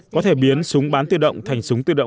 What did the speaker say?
có thể biến súng bắn tự động thành súng bắn tự động